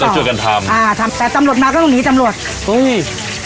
ช่วยกันทำอ่าทำแต่ตำรวจมาก็ต้องหนีตำรวจอุ้ย